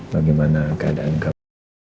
bagaimana keadaan kamu